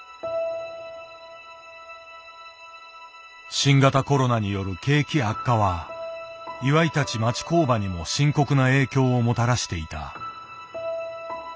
新型コロナによる景気悪化は岩井たち町工場にも深刻な影響をもたらしていた。